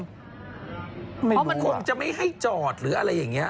เพราะมันคงจะไม่ให้จอดหรืออะไรอย่างนี้